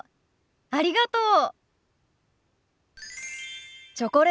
ありがとう。